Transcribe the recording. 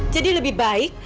jadi lebih baik